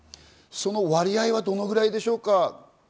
割合はどのぐらいでしょうか？